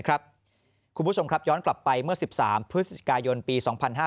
คุณผู้ชมครับย้อนกลับไปเมื่อ๑๓พฤศจิกายนปี๒๕๕๙